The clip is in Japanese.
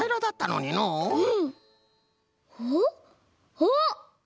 あっ！